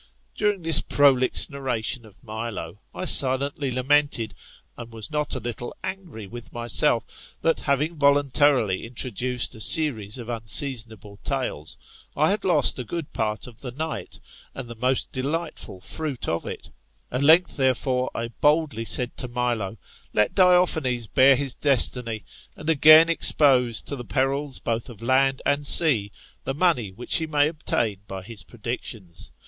During this prolix narration of Milo, I silently lamented, and was not a little angiy with myself, that having voluntarily introduced a series of unseasonable tales, I had lost a good part of the night, and the most delightful fruit of it At length, therefore, I boldly said to Milo, Let Diophanes bear his destiny, and again expose to the perils both of land and sea the money which he may obtain by his predictions.